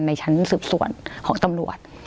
ในชั้นสืบสวนของตำรวจ